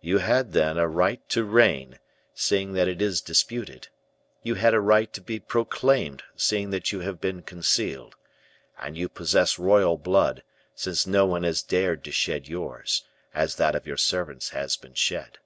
You had, then, a right to reign, seeing that it is disputed; you had a right to be proclaimed seeing that you have been concealed; and you possess royal blood, since no one has dared to shed yours, as that of your servants has been shed.